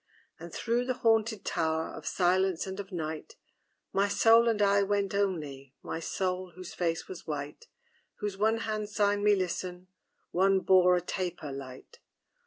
And through the haunted tower Of silence and of night, My Soul and I went only, My Soul, whose face was white, Whose one hand signed me listen, One bore a taper light.